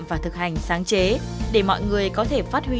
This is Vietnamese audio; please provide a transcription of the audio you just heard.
và thực hành sáng chế để mọi người có thể phát huy